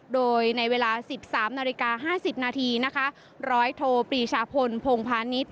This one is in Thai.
โดยในเวลา๑๓นาฬิกา๕๐นาทีนะคะร้อยโทปรีชาพลพงพาณิชย